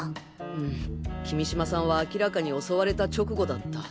うん君島さんは明らかに襲われた直後だった。